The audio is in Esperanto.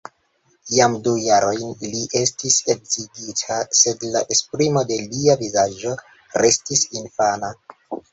Jam du jarojn li estis edzigita, sed la esprimo de lia vizaĝo restis infana.